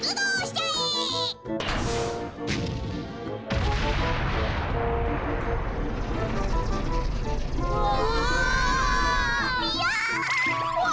うわ！